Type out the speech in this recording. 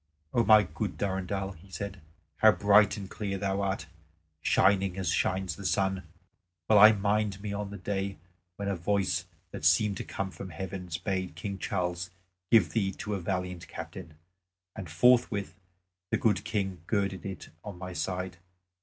"O my good Durendal," he said, "how bright and clear thou art, shining as shines the sun! Well I mind me of the day when a voice that seemed to come from heaven bade King Charles give thee to a valiant captain; and forthwith the good King girded it on my side.